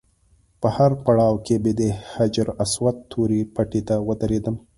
په هر پړاو کې به د حجر اسود تورې پټۍ ته ودرېدم.